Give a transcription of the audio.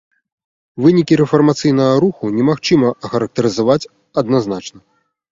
Вынікі рэфармацыйнага руху немагчыма ахарактарызаваць адназначна.